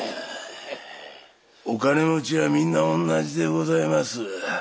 お金持ちはみんなおんなじでございます。